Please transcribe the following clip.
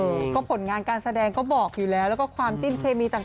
ก็ผลงานการแสดงก็บอกอยู่แล้วแล้วก็ความจิ้นเคมีต่าง